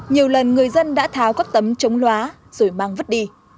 nhiều lần người dân đã tháo các tấm chống loá rồi mang vứt đi